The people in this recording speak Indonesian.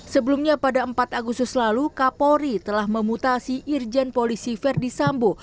sebelumnya pada empat agustus lalu kapolri telah memutasi irjen polisi verdi sambo